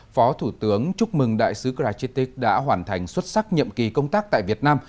phó thủ tướng chúc mừng đại sứ grajitik đã hoàn thành xuất sắc nhiệm kỳ công tác tại việt nam